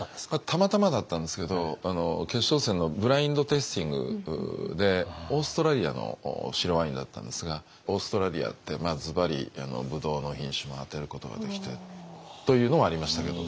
たまたまだったんですけど決勝戦のブラインドテイスティングでオーストラリアの白ワインだったんですがオーストラリアってずばりブドウの品種も当てることができてというのはありましたけど。